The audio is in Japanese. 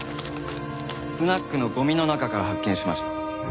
スナックのゴミの中から発見しました。